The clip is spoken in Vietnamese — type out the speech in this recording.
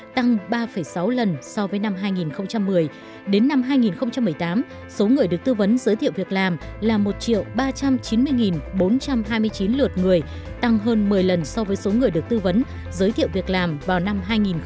tăng ba sáu lần so với năm hai nghìn một mươi đến năm hai nghìn một mươi tám số người được tư vấn giới thiệu việc làm là một ba trăm chín mươi bốn trăm hai mươi chín lượt người tăng hơn một mươi lần so với số người được tư vấn giới thiệu việc làm vào năm hai nghìn một mươi